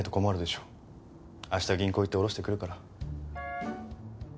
明日銀行行って下ろしてくるから。